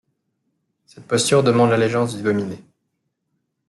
Cette posture demande l’allégeance du dominé.